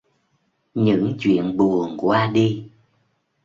Những chuyện buồn qua đi